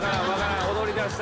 踊りだしたら。